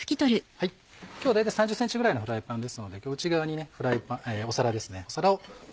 今日は大体３０ｃｍぐらいのフライパンですので内側に皿を。